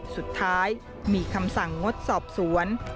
สุดท้ายมีคำสั่งงดสอบสวน